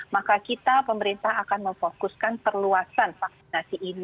maka kita pemerintah akan memfokuskan perluasan vaksinasi ini